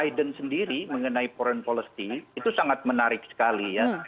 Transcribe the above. biden sendiri mengenai foreign policy itu sangat menarik sekali ya